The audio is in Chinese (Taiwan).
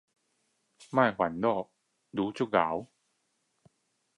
別擔心，你很棒